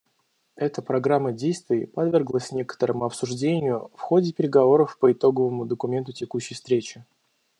Эта Программа действий подверглась некоторому обсуждению в ходе переговоров по итоговому документу текущей встречи.